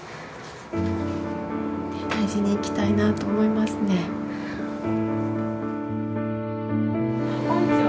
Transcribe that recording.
まあこんにちは。